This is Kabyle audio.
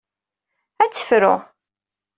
Ad tt-tefru.